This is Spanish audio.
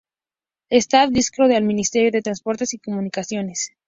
Está adscrito al Ministerio de Transportes y Comunicaciones.